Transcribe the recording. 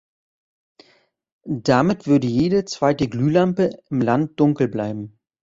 Damit würde jede zweite Glühlampe im Land dunkel bleiben.